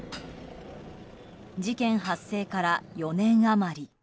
事件発生から４年余り。